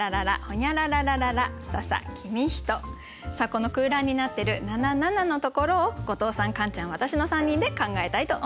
この空欄になってる七七のところを後藤さんカンちゃん私の３人で考えたいと思います。